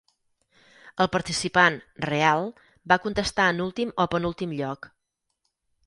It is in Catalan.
El participant "real" va contestar en últim o penúltim lloc.